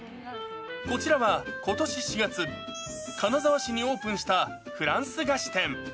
こちらはことし４月、金沢市にオープンしたフランス菓子店。